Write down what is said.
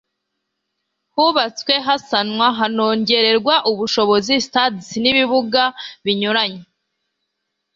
hubatswe, hasanwa, hanongererwa ubushobozi stades n'ibibuga binyuranye